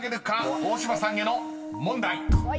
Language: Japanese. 大島さんへの問題］